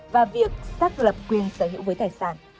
và việc xác lập quyền sở hữu với tài sản